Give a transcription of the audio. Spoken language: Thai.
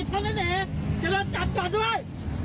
รอบจานจอดด้วย